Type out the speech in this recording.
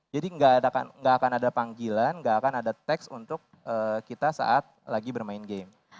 jadi gak akan ada panggilan gak akan ada text untuk kita saat lagi bermain game